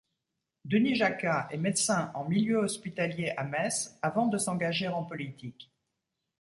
Denis Jacquat est médecin en milieu hospitalier à Metz avant de s'engager en politique.